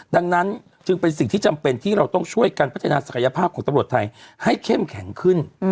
ดังนั้นจึงเป็นสิ่งที่จำเป็นที่เราต้องช่วยกันพัฒนาศักยภาพของตำรวจไทยให้เข้มแข็งขึ้น